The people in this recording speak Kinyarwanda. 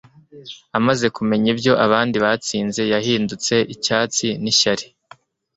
amaze kumenya ibyo abandi batsinze, yahindutse icyatsi nishyari. (feudrenais